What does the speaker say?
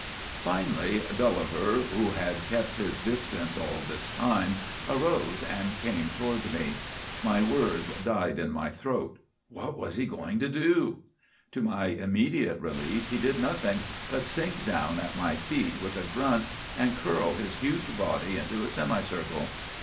' Finally Gulliver, who had kept his distance all this time, arose and came toward me. My words died in my throat. What was he going to do? To my immense relief he did nothing but sink down at my feet with a grunt and curl his huge body into a semicircle.